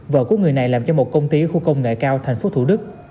vợ của người này làm cho một công ty khu công nghệ cao tp thủ đức